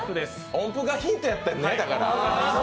音符がヒントやったんね。